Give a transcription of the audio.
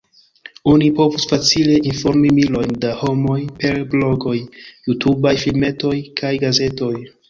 Oni povus facile informi milojn da homoj per blogoj, jutubaj filmetoj kaj gazetoj.